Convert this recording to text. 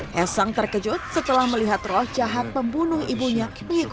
haesang terkejut setelah melihat roh jahat membunuh ibunya